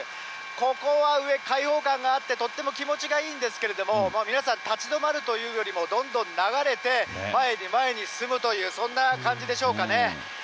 ここは上、開放感があってとっても気持ちがいいんですけれども、皆さん、立ち止まるというよりもどんどん流れて、前に前に進むという、そんな感じでしょうかね。